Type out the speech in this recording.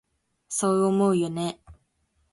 そう思うよね？